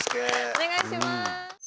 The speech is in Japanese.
お願いします。